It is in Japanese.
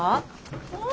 うん。